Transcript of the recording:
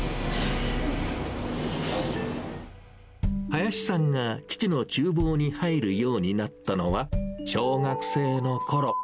林さんが父のちゅう房に入るようになったのは、小学生のころ。